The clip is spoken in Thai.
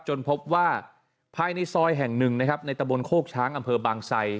พบว่าภายในซอยแห่งหนึ่งนะครับในตะบนโคกช้างอำเภอบางไซ